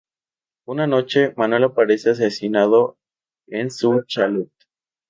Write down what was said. Una noche, Manuel aparece asesinado en su chalet.